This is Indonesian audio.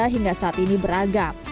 hingga saat ini beragam